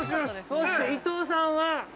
◆そして、伊藤さんは。